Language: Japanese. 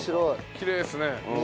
きれいですね。